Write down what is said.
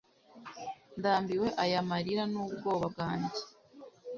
ndambiwe aya marira n'ubwoba bwanjye